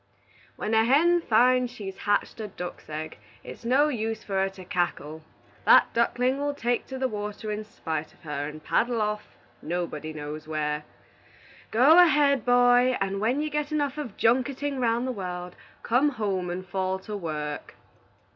"When a hen finds she's hatched a duck's egg, it's no use for her to cackle; that ducklin' will take to the water in spite on her, and paddle off, nobody knows where. Go ahead, boy, and when you get enough of junketin' 'round the world, come home and fall to work."